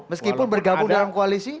meskipun bergabung dalam koalisi